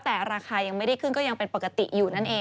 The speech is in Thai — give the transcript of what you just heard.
แต่ราคายังไม่ได้ขึ้นก็ยังเป็นปกติอยู่นั่นเอง